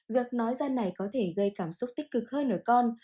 việc nói ra này có thể gây cảm xúc tích cực hơn ở con